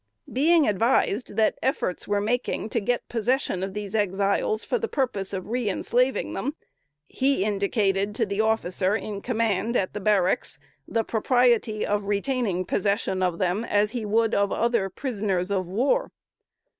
Being advised that efforts were making to get possession of these Exiles for the purpose of reënslaving them, he indicated to the officer in command at the barracks the propriety of retaining possession of them as he would of other prisoners of war.